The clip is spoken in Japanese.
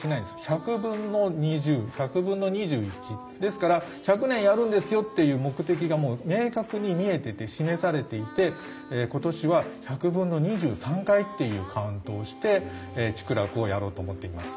１００分の２０１００分の２１。ですから１００年やるんですよっていう目的が明確に見えてて示されていて今年は１００分の２３回っていうカウントをして竹楽をやろうと思っています。